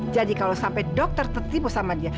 jadi kalau sampai dokter tertipu sama dia